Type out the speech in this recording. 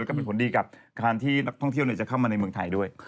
แล้วก็เป็นผลดีกับการที่นักท่องเที่ยวจะเข้ามาในเมืองไทยด้วย